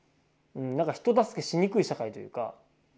人助けしにくい社会というか。